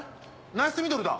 ナイスミドルだ。